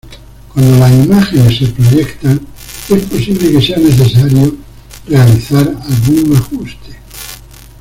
Cuando las imágenes se proyectan es posible que sea necesario realizar algún ajuste.